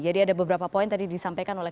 jadi ada beberapa poin tadi disampaikan oleh